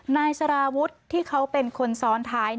นายสารวุฒิที่เขาเป็นคนซ้อนท้าย